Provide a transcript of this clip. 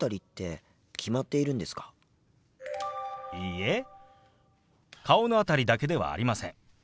いいえ顔の辺りだけではありません。